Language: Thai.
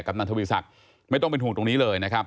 นันทวีศักดิ์ไม่ต้องเป็นห่วงตรงนี้เลยนะครับ